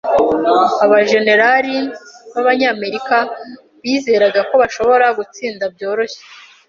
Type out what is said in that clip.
Abajenerali b'Abanyamerika bizeraga ko bashobora gutsinda byoroshye.